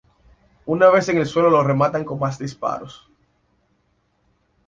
Una vez en el suelo, le rematan con más disparos.